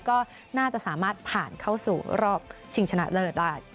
ก็น่าจะสามารถผ่านเข้าสู่รอบชิงชนะเลิศได้